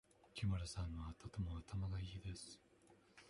木村さんはとても頭がいいです。